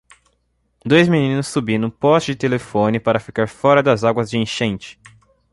Dois meninos subindo postes de telefone para ficar fora das águas da enchente